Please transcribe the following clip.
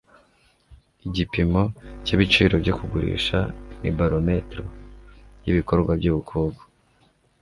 Igipimo cyibiciro byo kugurisha ni barometero yibikorwa byubukungu